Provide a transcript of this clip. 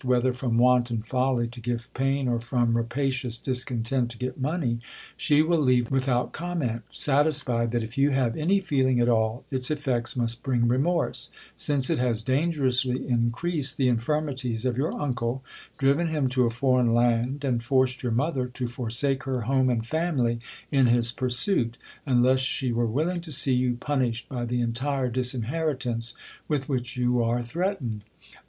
whether from wanton folly to give pain, or from ra ^' pacious discontent to get money, she will leave with out comment ; satisfied that if you have any feeling at all, its effects must bring remorse ; since it has danger ously increased the infirmities of your uncle, driven him to a foreign land, and forced your mother to for sake her home and family in his pursuit, unless she were willing to see you punished by the entire disinheritance with which you are threatened.